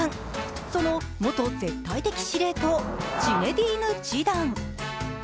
その元絶対的司令塔、ジネディーヌ・ジダン。